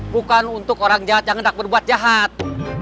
bukan untuk orang jahat yang hendak berbuat jahat